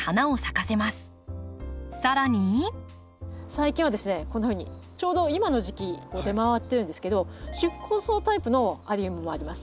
最近はですねこんなふうにちょうど今の時期出回ってるんですけど宿根草タイプのアリウムもあります。